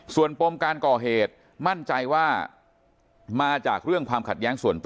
ส่วนปมการก่อเหตุมั่นใจว่ามาจากเรื่องความขัดแย้งส่วนตัว